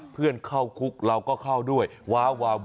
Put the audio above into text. เพื่อนเข้าคุกเราก็เข้าด้วยว้าวว้าว